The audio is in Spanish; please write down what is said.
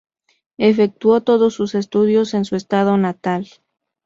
Efectuó todos sus estudios en su estado natal.